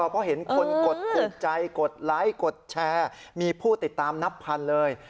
เพราะเห็นคนกดถูกใจกดไลค์กดแชร์มีผู้ติดตามนับพันเลย